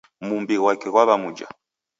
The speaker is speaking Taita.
Mumbi ghwake ghwaw'emja